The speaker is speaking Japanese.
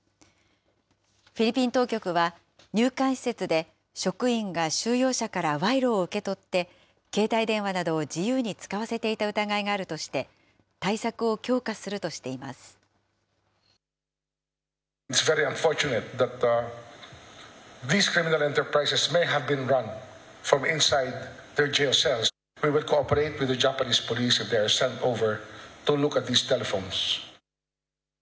フィリピン当局は、入管施設で職員が収容者から賄賂を受け取って、携帯電話などを自由に使わせていた疑いがあるとして、対策を強化するとしています。